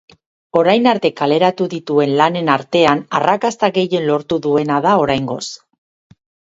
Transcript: Orain arte kaleratu dituen lanen artean, arrakasta gehien lortu duena da oraingoz.